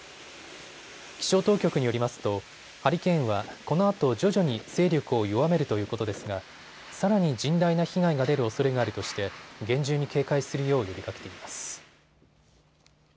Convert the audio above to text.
気象当局によりますとハリケーンはこのあと徐々に勢力を弱めるということですがさらに甚大な被害が出るおそれがあるとして厳重に警戒するよう呼びかけています。